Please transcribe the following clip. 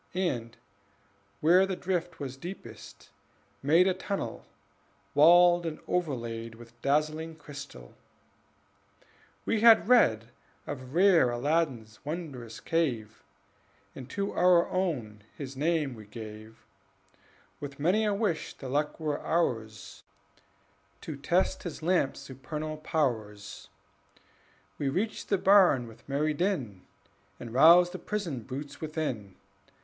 And, where the drift was deepest, made A tunnel walled and overlaid With dazzling crystal: we had read Of rare Aladdin's wondrous cave, And to our own his name we gave, With many a wish the luck were ours To test his lamp's supernal powers. We reached the barn with merry din, And roused the prisoned brutes within.